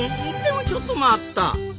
でもちょっと待った。